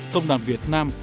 công đoàn việt nam